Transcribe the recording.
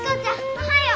おはよう。